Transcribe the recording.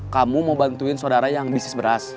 kamu mau bantuin saudara yang bisnis beras